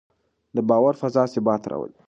د باور فضا ثبات راولي